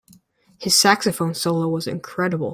His saxophone solo was incredible.